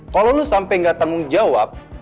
kalau lo sampe gak tanggung jawab